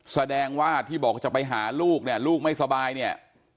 แสดงว่าที่บอกจะไปหาลูกเนี่ยลูกไม่สบายเนี่ย